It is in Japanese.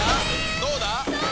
どうだ？